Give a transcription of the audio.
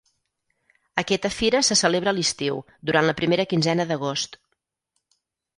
Aquesta fira se celebra a l'estiu, durant la primera quinzena d'agost.